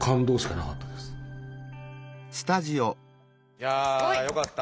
いやあよかった。